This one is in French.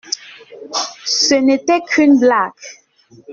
Ce n’était qu’une blague.